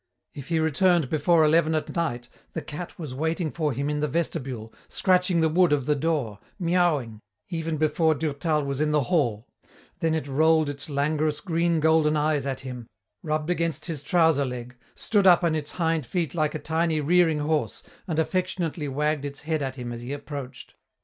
If he returned before eleven at night, the cat was waiting for him in the vestibule, scratching the wood of the door, miaouing, even before Durtal was in the hall; then it rolled its languorous green golden eyes at him, rubbed against his trouser leg, stood up on its hind feet like a tiny rearing horse and affectionately wagged its head at him as he approached.